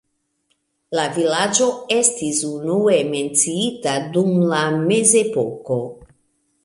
La vilaĝo estis unue menciita dum la mezepoko.